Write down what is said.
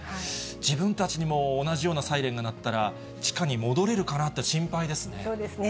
自分たちにも同じようなサイレンが鳴ったら、地下に戻れるかなって、心配ですね。